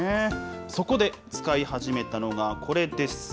そこで使い始めたのがこれです。